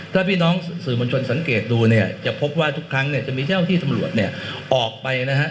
ถ้าพี่น้องสื่อมวลชนสังเกตดูเนี่ยจะพบว่าทุกครั้งเนี่ยจะมีเจ้าที่ตำรวจเนี่ยออกไปนะฮะ